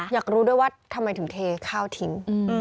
อยากรู้ด้วยว่าทำไมถึงเทข้าวทิ้ง